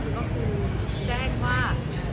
ก็คือแจ้งว่า